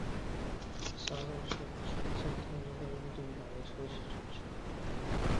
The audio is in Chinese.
沙中线全线通车后预定改为垂直转乘。